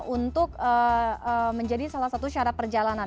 untuk menjadi salah satu syarat perjalanan